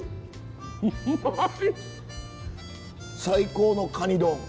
最高のカニ丼。